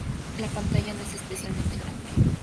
La pantalla no es especialmente grande.